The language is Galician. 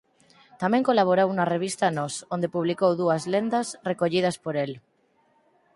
Tamén colaborou na revista "Nós" onde publicou dúas lendas recollidas por el.